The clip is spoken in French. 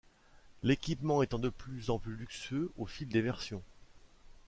L'équipement étant de plus en plus luxueux au fil des versions.